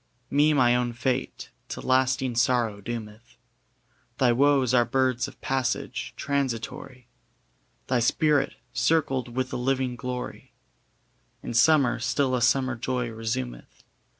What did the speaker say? ] Me my own fate to lasting sorrow doometh: Thy woes are birds of passage, transitory: Thy spirit, circled with a living glory, In summer still a summer joy resumeth.